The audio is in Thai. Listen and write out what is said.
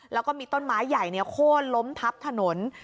แล้วก็มีต้นไม้ใหญ่โค้นล้มทับถนน